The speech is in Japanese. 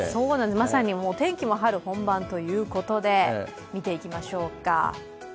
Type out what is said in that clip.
まさに天気も春本番ということで、見ていきましょうか。